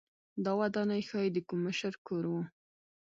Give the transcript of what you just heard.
دا ودانۍ ښايي د کوم مشر کور و